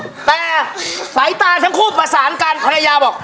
แต่สายตาทั้งคู่ประสานกันภรรยาบอก